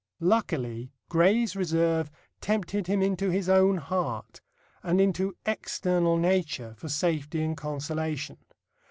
Luckily, Gray's reserve tempted him into his own heart and into external nature for safety and consolation.